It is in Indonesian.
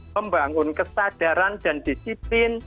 membangun kesadaran dan disipi